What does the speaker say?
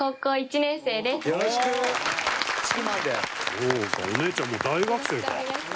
そうかお姉ちゃんもう大学生か。